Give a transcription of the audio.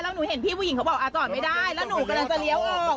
แล้วหนูเห็นพี่ผู้หญิงเขาบอกจอดไม่ได้แล้วหนูกำลังจะเลี้ยวออก